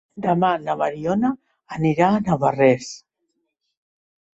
Demà na Mariona anirà a Navarrés.